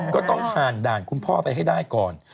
ก็ต้องผ่านด่านคุณพ่อไปให้ได้ก่อน